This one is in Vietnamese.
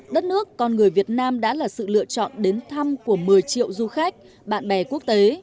đất nước con người việt nam đã là sự lựa chọn đến thăm của một mươi triệu du khách bạn bè quốc tế